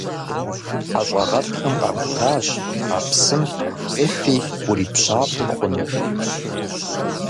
Ӏэщӏагъэлӏхэм къахутащ а псым уефи урипщафӏи хъуну.